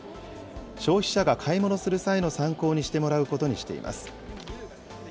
消費者が買い物する際の参考にしてもらうことにしています。